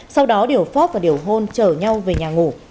sau đó điều pháp và điều hôn chở nhau về nhà ngủ